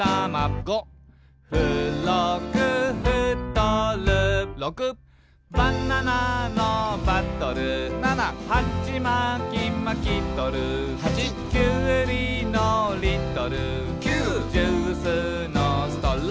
「ご」「ふろくふとる」「ろく」「バナナのバトル」「ナナ」「はちまきまきとる」「はち」「きゅうりのリトル」「きゅう」「ジュースのストロー」